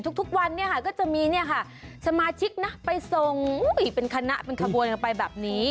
ทุกวันก็จะมีสมาชิกไปส่งเป็นคระวนไปแบบนี้